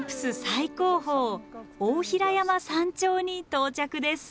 最高峰大平山山頂に到着です。